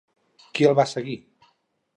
Qui el va seguir?